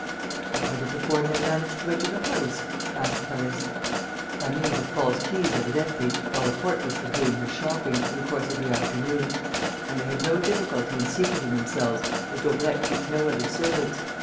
"But how did the four men manage to enter the house?" asked Clarisse. "By means of false keys, evidently, while the portress was doing her shopping, in the course of the afternoon; and they had no difficulty in secreting themselves, as Daubrecq keeps no other servants.